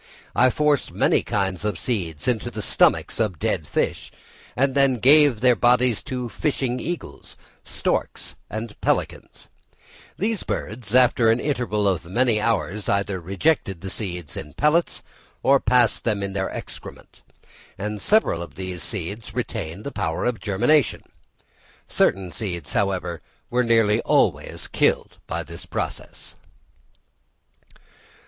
I forced many kinds of seeds into the stomachs of dead fish, and then gave their bodies to fishing eagles, storks, and pelicans; these birds, after an interval of many hours, either rejected the seeds in pellets or passed them in their excrement; and several of these seeds retained the power of germination. Certain seeds, however, were always killed by this process.